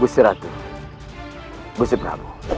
gusi ratu gusi prabu